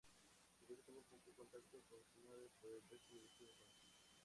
Felipe tuvo poco contacto con su madre por el resto de su infancia.